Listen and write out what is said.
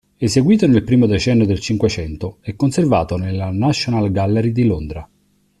Eseguito nel primo decennio del cinquecento, è conservato nella National Gallery di Londra.